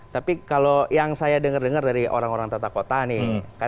tapi kalau yang saya dengar dengar dari orang orang tata kota nih